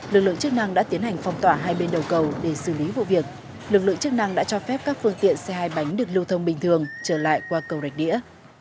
lực lượng chức năng đã tiến hành phong tỏa hai bên đầu cầu để xử lý vụ việc lực lượng chức năng đã cho phép các phương tiện xe hai bánh được lưu thông bình thường trở lại qua cầu rạch đĩa